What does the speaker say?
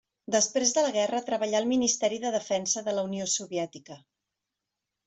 Després de la guerra treballà al Ministeri de Defensa de la Unió Soviètica.